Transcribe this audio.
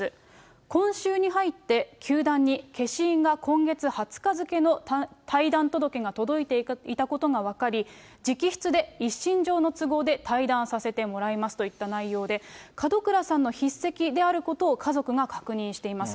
今週に入って球団に、消印が今月２０日付の退団届が届いていたことが分かり、直筆で一身上の都合で退団させてもらいますといった内容で、門倉さんの筆跡であることを家族が確認しています。